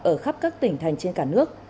ở khắp các tỉnh thành trên cả nước